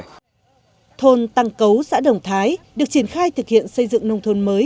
thôn tăng cấu xã đồng thái được triển khai thực hiện xây dựng nông thôn mới